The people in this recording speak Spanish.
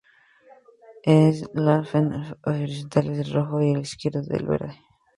En los semáforos horizontales, el rojo está a la izquierda del verde.